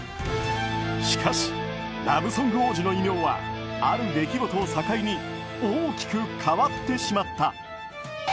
しかし、ラブソング王子の異名はある出来事を境に大きく変わってしまった。